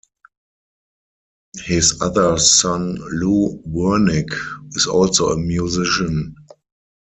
His other son Lew Wernick is also a musician.